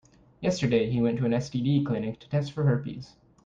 Yesterday, he went to an STD clinic to test for herpes.